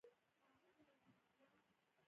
نوموړی په نادعلي ولسوالۍ کې روغتون لري.